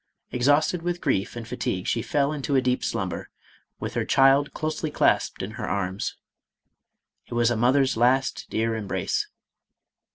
Exhausted with grief and fatigue she fell into a deep slumber, with her child closely clasped in her arms. It was a mother's last dear embrace.